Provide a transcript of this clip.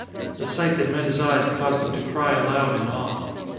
The sight that met his eyes caused him to cry aloud in awe.